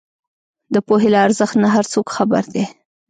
د پوهې له ارزښت نۀ هر څوک خبر دی